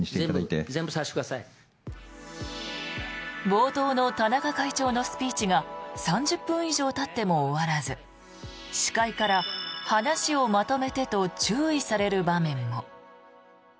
冒頭の田中会長のスピーチが３０分以上たっても終わらず司会から、話をまとめてと注意される場面も。